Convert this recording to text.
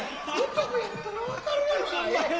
男やったら分かるやろがええ。